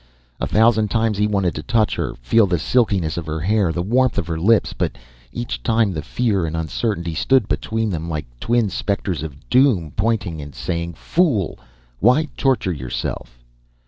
A thousand times he wanted to touch her, feel the silkiness of her hair, the warmth of her lips, but each time the fear and uncertainty stood between them like twin specters of doom, pointing and saying, "Fool! Why torture yourself?"